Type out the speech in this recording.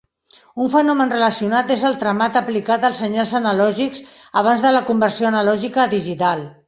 Un fenomen relacionat és el tramat aplicat als senyals analògics abans de la conversió analògica a digital.